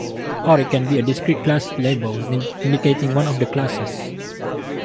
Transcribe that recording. Or it can be a discrete class label, indicating one of the classes.